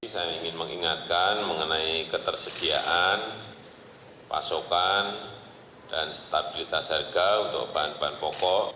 saya ingin mengingatkan mengenai ketersediaan pasokan dan stabilitas harga untuk bahan bahan pokok